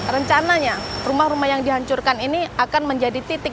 rencananya rumah rumah yang dihancurkan ini akan menjadi titik